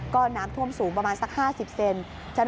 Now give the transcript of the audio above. ก็น้ำท่วมสูงประมาณสัก๕๐เซน